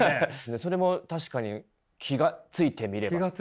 それも確かに気が付いてみればって。